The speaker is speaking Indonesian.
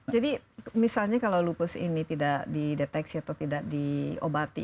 jadi misalnya kalau lupus ini tidak dideteksi atau tidak diobati